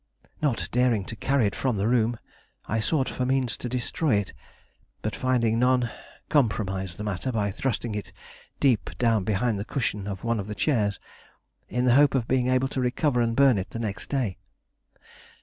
Not daring to carry it from the room, I sought for means to destroy it; but finding none, compromised the matter by thrusting it deep down behind the cushion of one of the chairs, in the hope of being able to recover and burn it the next day.